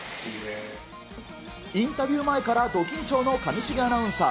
インタビュー前からド緊張の上重アナウンサー。